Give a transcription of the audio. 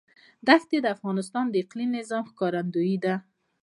دښتې د افغانستان د اقلیمي نظام ښکارندوی ده.